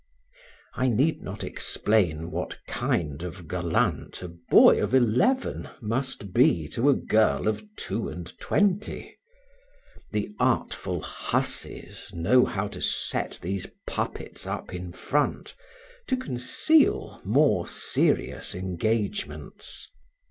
I need not explain what kind of gallant a boy of eleven must be to a girl of two and twenty; the artful hussies know how to set these puppets up in front, to conceal more serious engagements.